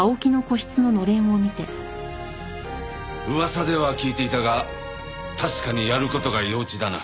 噂では聞いていたが確かにやる事が幼稚だな。